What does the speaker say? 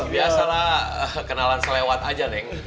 biasalah kenalan selewat aja deh